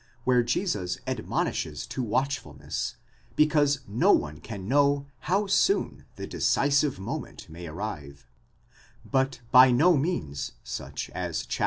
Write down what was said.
where Jesus admonishes to watchfulness, because no one can know how soon the decisive moment may arrive; but by no means such as xxiv.